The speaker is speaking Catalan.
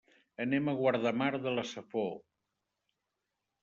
Anem a Guardamar de la Safor.